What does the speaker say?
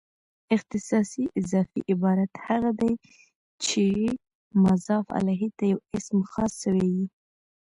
اختصاصي اضافي عبارت هغه دئ، چي مضاف الیه ته یو اسم خاص سوی يي.